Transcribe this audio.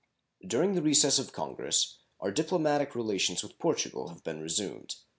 During the recess of Congress our diplomatic relations with Portugal have been resumed.